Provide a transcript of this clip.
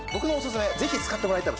ぜひ使ってもらいたいのが。